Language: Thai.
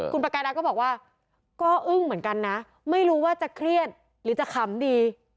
คุณประกายักษ์ก็บอกว่าก็อึ้งเหมือนกันนะไม่รู้ว่าจะเครียดหรือจะขำดี